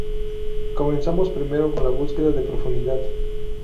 Comenzamos primero con la búsqueda en profundidad.